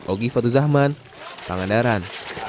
ogifat zahman pangandaran